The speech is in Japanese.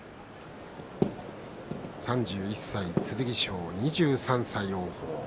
３１歳の剣翔、２３歳の王鵬。